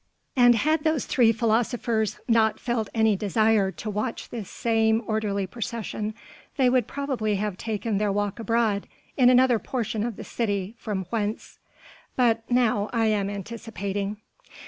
And had those three philosophers not felt any desire to watch this same orderly procession they would probably have taken their walk abroad in another portion of the city from whence.... But now I am anticipating.